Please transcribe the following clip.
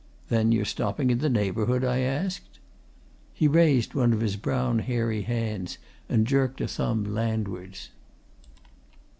"Then you're stopping in the neighbourhood?" I asked. He raised one of his brown, hairy hands, and jerked a thumb landwards.